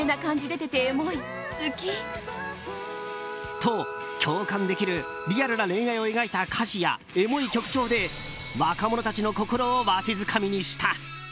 と、共感できるリアルな恋愛を描いた歌詞やエモい曲調で若者たちの心をわしづかみにした。